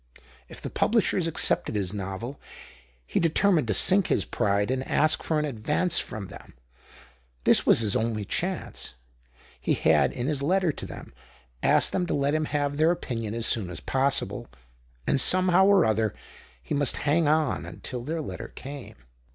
If the publishers accepted his novel, he determined to sink his pride and ask for an advance from THE OCTAVE OF CLAUDIUS. 91 tliem. This was his only chance ; he had in his letter to them asked them to let him have their opinion as soon as possible, and some how or other he must hang on until their letter came.